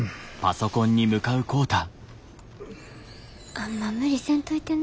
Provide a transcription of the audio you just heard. あんま無理せんといてな。